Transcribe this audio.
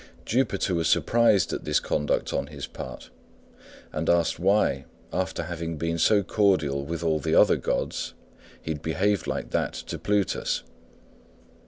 Jupiter was surprised at this conduct on his part, and asked why, after having been so cordial with all the other gods, he had behaved like that to Plutus.